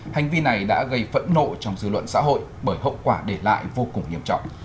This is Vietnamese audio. hành vi này đã gây phẫn nộ trong dư luận xã hội bởi hậu quả để lại vô cùng nghiêm trọng